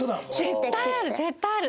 絶対ある絶対ある！